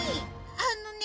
あのね